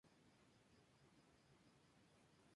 Brilla especialmente en el repertorio alemán de entreguerras.